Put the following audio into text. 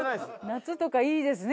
夏とかいいですね